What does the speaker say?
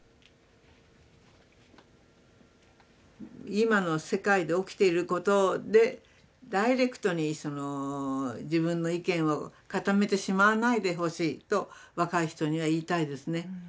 今の世界で起きていることでダイレクトに自分の意見を固めてしまわないでほしいと若い人には言いたいですね。